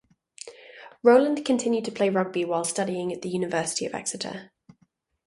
Rowland continued to play rugby while studying at the University of Exeter.